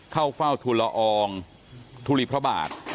เข้าเฝ้าทุนละอองทุลีพระบาท